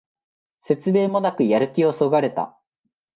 説明もなくやる気をそがれた